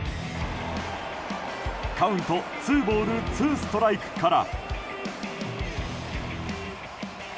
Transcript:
カウントツーボールツーストライクから。